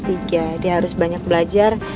dia harus banyak belajar